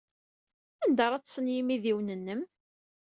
Anda ara ḍḍsen yimidiwen-nnem?